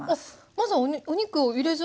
まずはお肉を入れずに？